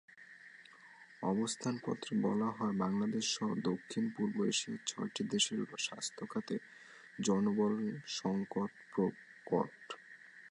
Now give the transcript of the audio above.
অবস্থানপত্রে বলা হয়, বাংলাদেশসহ দক্ষিণ-পূর্ব এশিয়ার ছয়টি দেশের স্বাস্থ্য খাতে জনবলসংকট প্রকট।